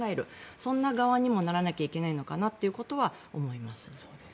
そんな側にもならなきゃいけないのかなってことは思います。